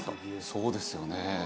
そうですよね。